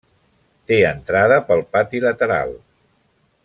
Té entrada pel pati lateral.